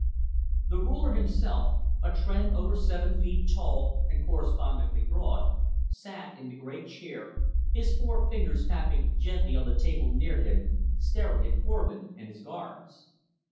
The Ruler himself, a Tr'en over seven feet tall and correspondingly broad, sat in the great chair, his four fingers tapping gently on the table near him, staring at Korvin and his guards.